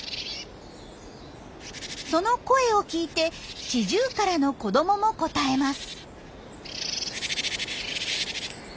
その声を聞いてシジュウカラの子どもも応えます。